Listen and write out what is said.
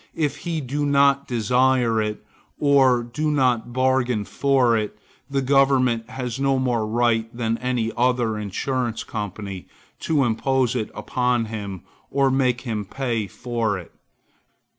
If he do not desire it, or do not bargain for it, the government has no more right than any other insurance company to impose it upon him, or make him pay for it.